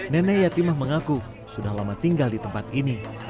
nenek yatimah mengaku sudah lama tinggal di tempat ini